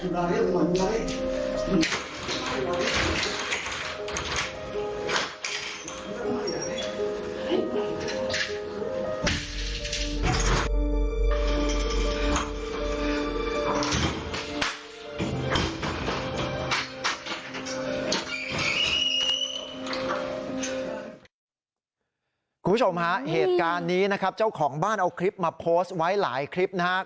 คุณผู้ชมฮะเหตุการณ์นี้นะครับเจ้าของบ้านเอาคลิปมาโพสต์ไว้หลายคลิปนะครับ